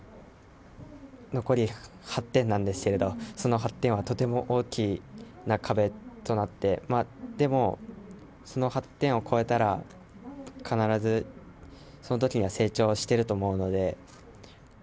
残り８点なんですけれど、その８点はとても大きな壁となって、でもその８点を超えたら、必ずそのときには成長してると思うので。